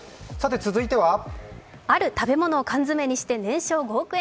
ある食べ物を缶詰にして年商５億円。